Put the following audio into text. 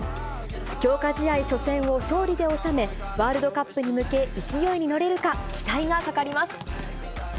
強化試合初戦を勝利で収め、ワールドカップに向け、勢いに乗れるか、期待がかかります。